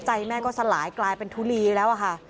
แม่ก็สลายกลายเป็นทุลีแล้วอะค่ะ